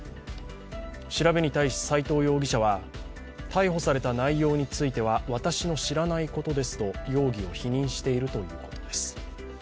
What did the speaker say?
調べに対し斉藤容疑者は逮捕された内容については私の知らないことですと容疑を否認しているということです。